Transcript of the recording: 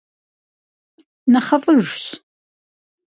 НэхъыфӀыжщ!